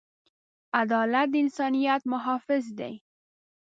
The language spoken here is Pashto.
عدالت د انسانیت محافظ دی.